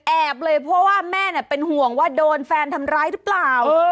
เลยเพราะว่าแม่เป็นห่วงว่าโดนแฟนทำร้ายหรือเปล่า